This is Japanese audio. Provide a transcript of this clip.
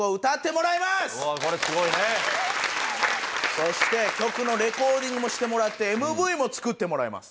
そして曲のレコーディングもしてもらってＭＶも作ってもらいます。